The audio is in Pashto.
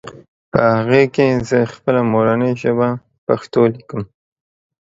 په هغې کې زهٔ خپله مورنۍ ژبه پښتو ليکم